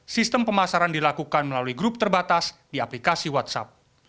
sistem pemasaran dilakukan melalui grup terbatas di aplikasi whatsapp